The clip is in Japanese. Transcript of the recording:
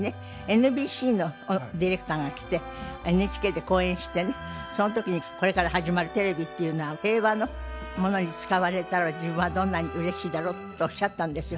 ＮＢＣのディレクターが来てＮＨＫで講演してねその時にこれから始まるテレビっていうのは平和のものに使われたら自分はどんなにうれしいだろうとおっしゃったんですよ。